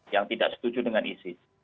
yang tidak setuju dengan isis